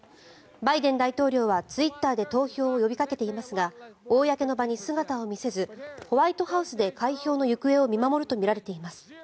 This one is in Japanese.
バイデン大統領はツイッターで投票を呼びかけていますが公の場に姿を見せずホワイトハウスで開票の行方を見守るとみられています。